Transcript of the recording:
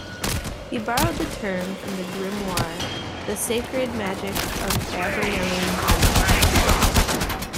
He borrowed the term from the Grimoire "The Sacred Magic of Abramelin the Mage".